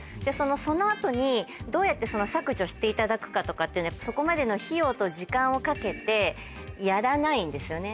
その後にどうやって削除していただくかというのをそこまでの費用と時間をかけてやらないんですよね。